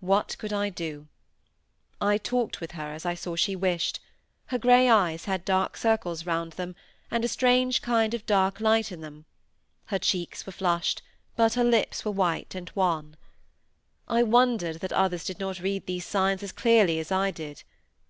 What could I do? I talked with her, as I saw she wished; her grey eyes had dark circles round them and a strange kind of dark light in them; her cheeks were flushed, but her lips were white and wan. I wondered that others did not read these signs as clearly as I did.